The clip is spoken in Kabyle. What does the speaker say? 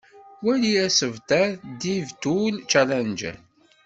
Wali asebter Dev Tools Challenger.